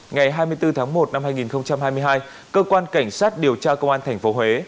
ngày hai mươi bốn tháng một năm hai nghìn hai mươi hai cơ quan cảnh sát điều tra công an tp huế